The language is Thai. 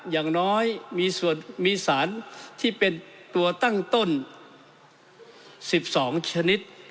อย่างน้อยมีส่วนมีสารที่เป็นตัวตั้งต้น๑๒ชนิด